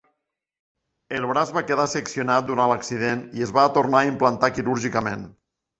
El braç va quedar seccionat durant l'accident i es va tornar a implantar quirúrgicament.